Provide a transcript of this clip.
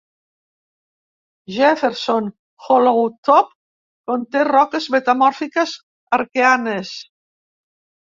Jefferson-Hollowtop conté roques metamòrfiques arqueanes.